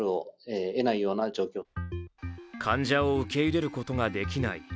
患者を受け入れることができない。